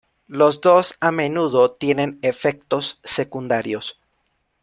Los dos a menudo tienen efectos secundarios.